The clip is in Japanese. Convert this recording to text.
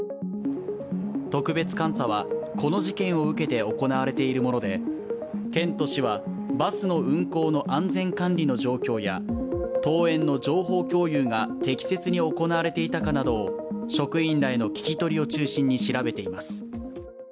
特別監査は、この事件を受けて行われているもので、県と市はバスの運行の安全管理の状況や登園の情報共有が適切に行われていたかなどを職員らへの聞き取りを中心に調べています。